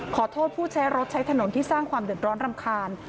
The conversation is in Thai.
ขอโทษผู้ใช้รถใช้ถนนที่สร้างความเดือดร้อนรำคาญ